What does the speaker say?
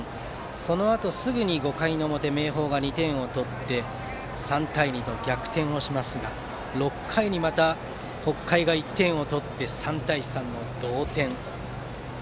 そのあとすぐに５回の表明豊が２点を取って３対２と逆転しますが６回に、また北海が１点を取って３対３の同点。